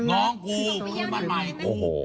น้องกู